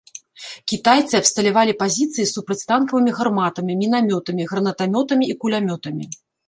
Кітайцы абсталявалі пазіцыі супрацьтанкавымі гарматамі, мінамётамі, гранатамётамі і кулямётамі.